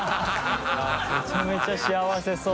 許）めちゃめちゃ幸せそう。